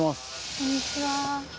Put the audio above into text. こんにちは。